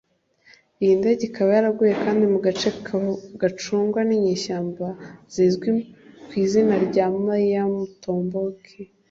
Iyi ndege ikaba yaraguye kandi mu gace gacungwa n’inyeshyamba zizwi ku izina rya Maia Mutomboki